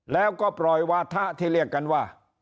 แล้วก็ปล่อยวาถะที่เรียกกันว่า